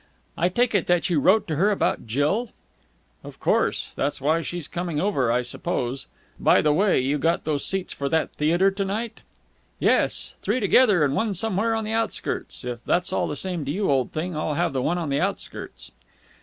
"I take it that you wrote to her about Jill?" "Of course. That's why she's coming over, I suppose. By the way, you got those seats for that theatre to night?" "Yes. Three together and one somewhere on the outskirts. If it's all the same to you, old thing, I'll have the one on the outskirts."